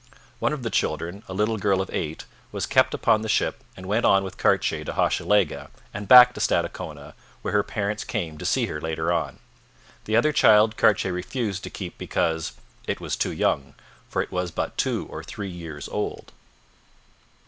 One of the children, a little girl of eight, was kept upon the ship and went on with Cartier to Hochelaga and back to Stadacona, where her parents came to see her later on. The other child Cartier refused to keep because 'it was too young, for it was but two or three years old.'